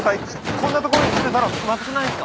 こんな所に捨てたらまずくないっすか？